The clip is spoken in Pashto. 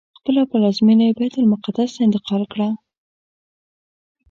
خپله پلازمینه یې بیت المقدس ته انتقال کړه.